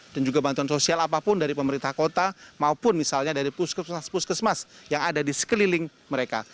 dan juga bantuan sosial apapun dari pemerintah kota maupun misalnya dari puskesmas puskesmas yang ada di sekeliling mereka